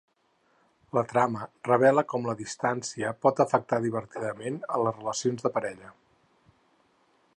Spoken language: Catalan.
La trama revela com la distància pot afectar divertidament a les relacions de parella.